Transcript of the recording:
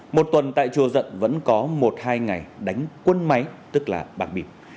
một tuần tại chùa dận vẫn có một hai ngày đánh quân máy tức là bạc bịp